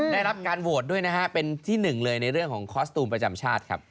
ได้รับการโหวตด้วยนะฮะเป็นที่หนึ่งเลยในเรื่องของคอสตูมประจำชาติครับ